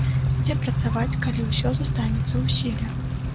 Дзе працаваць, калі ўсё застанецца ў сіле?